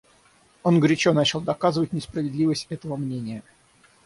Он горячо начал доказывать несправедливость этого мнения.